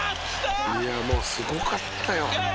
「いやもうすごかったよ」